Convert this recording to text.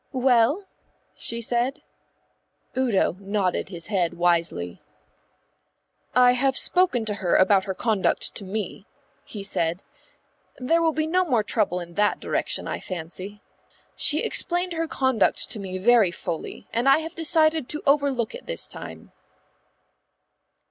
"Well?" she said. Udo nodded his head wisely. "I have spoken to her about her conduct to me," he said. "There will be no more trouble in that direction, I fancy. She explained her conduct to me very fully, and I have decided to overlook it this time."